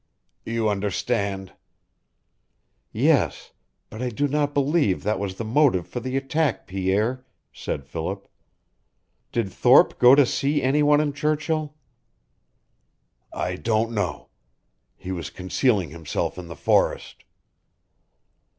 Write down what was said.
You understand " "Yes, but I do not believe that was the motive for the attack, Pierre," said Philip. "Did Thorpe go to see any one in Churchill?" "I don't know. He was concealing himself in the forest."